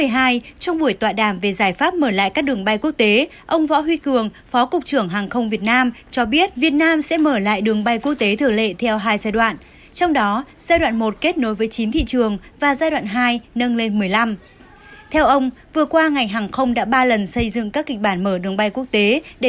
hãy đăng ký kênh để ủng hộ kênh của chúng mình nhé